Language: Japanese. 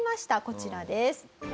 こちらです。